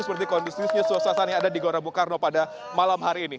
seperti kondusifnya suasananya ada di gelora bung karno pada malam hari ini